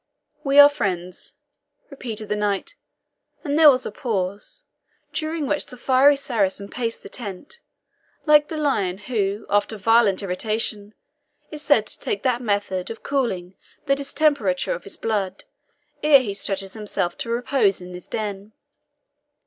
"We ARE friends," repeated the knight; and there was a pause, during which the fiery Saracen paced the tent, like the lion, who, after violent irritation, is said to take that method of cooling the distemperature of his blood, ere he stretches himself to repose in his den.